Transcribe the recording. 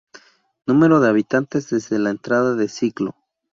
Número de habitantes desde la entrada de siglo.